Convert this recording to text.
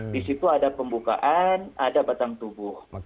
di situ ada pembukaan ada batang tubuh